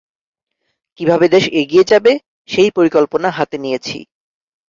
কীভাবে দেশ এগিয়ে যাবে, সেই পরিকল্পনা হাতে নিয়েছি।